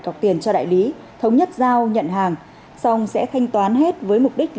cọc tiền cho đại lý thống nhất giao nhận hàng xong sẽ thanh toán hết với mục đích là